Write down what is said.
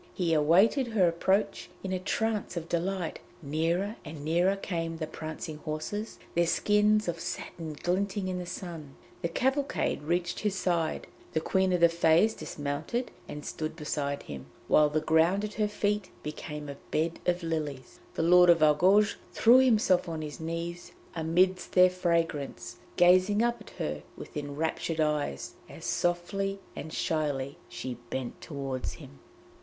He awaited her approach in a trance of delight; nearer and nearer came the prancing horses, their skins of satin glinting in the sun. The cavalcade reached his side; the Queen of the Fées dismounted and stood beside him, while the ground at her feet became a bed of lilies. The Lord of Argouges threw himself on his knees amidst their fragrance, gazing up at her with enraptured eyes, as softly and shyly she bent toward him.